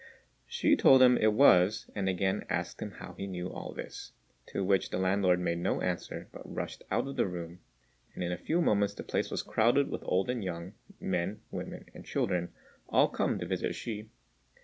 Hsü told him it was, and again asked him how he knew all this; to which the landlord made no answer, but rushed out of the room; and in a few moments the place was crowded with old and young, men, women, and children, all come to visit Hsü.